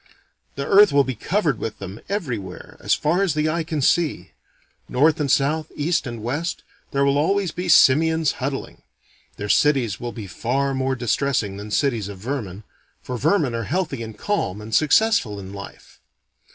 The earth will be covered with them everywhere, as far as eye can see. North and south, east and west, there will always be simians huddling. Their cities will be far more distressing than cities of vermin, for vermin are healthy and calm and successful in life.